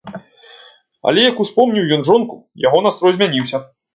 Але як успомніў ён жонку, яго настрой змяніўся.